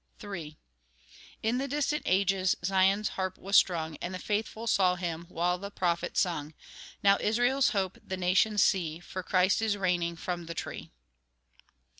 III In the distant ages Zion's harp was strung, And the faithful saw Him, While the prophet sung; Now Israel's Hope the nations see, For Christ is reigning from the tree.